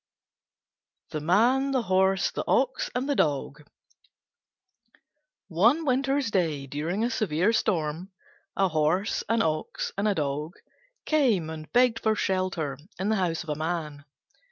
THE MAN, THE HORSE, THE OX, AND THE DOG One winter's day, during a severe storm, a Horse, an Ox, and a Dog came and begged for shelter in the house of a Man.